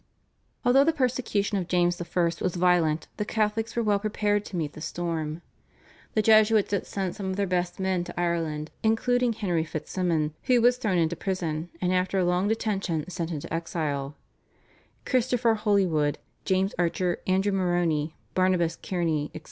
" Although the persecution of James I. was violent the Catholics were well prepared to meet the storm. The Jesuits had sent some of their best men to Ireland, including Henry Fitzsimon, who was thrown into prison, and after a long detention sent into exile, Christopher Holywood, James Archer, Andrew Morony, Barnabas Kearney, etc.